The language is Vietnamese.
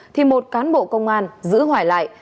thì một cán bộ công an giữ hoài lại